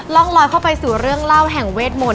ร่องลอยเข้าไปสู่เรื่องเล่าแห่งเวทมนต์